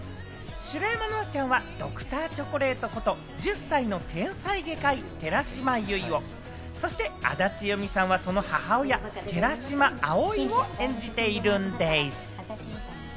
白山乃愛ちゃんはＤｒ．チョコレートこと１０歳の天才外科医・寺島唯を、そして安達祐実さんは、その母親・寺島葵を演じているんです。